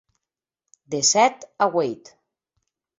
De sèt a ueit.